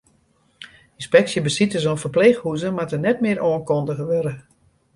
Ynspeksjebesites oan ferpleechhûzen moatte net mear oankundige wurde.